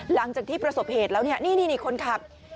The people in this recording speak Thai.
หลังจากที่ประสบเหตุแล้วเนี่ยนี่คนขับ